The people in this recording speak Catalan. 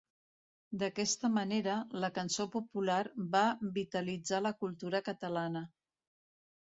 D'aquesta manera, la cançó popular va vitalitzar la cultura catalana.